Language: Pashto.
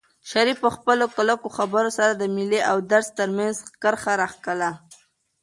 شریف په خپلو کلکو خبرو سره د مېلې او درس ترمنځ کرښه راښکله.